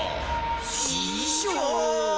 ししょう！